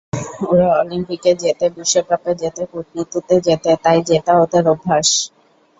ওরা অলিম্পিকে জেতে, বিশ্বকাপে জেতে, কূটনীতিতে জেতে, তাই জেতা ওদের অভ্যাস।